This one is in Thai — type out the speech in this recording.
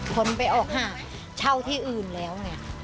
คนไปออกหาเช่าที่อื่นแล้วเนี่ย